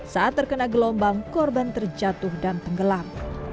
saat terkena gelombang korban terjatuh dan tenggelam